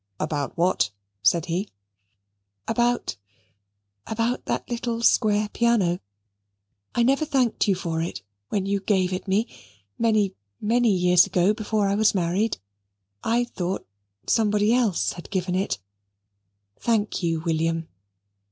"About what?" said he. "About about that little square piano. I never thanked you for it when you gave it me, many, many years ago, before I was married. I thought somebody else had given it. Thank you, William."